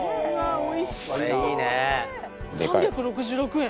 ３６６円！